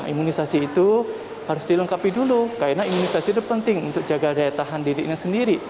imunisasi itu harus dilengkapi dulu karena imunisasi itu penting untuk jaga daya tahan dirinya sendiri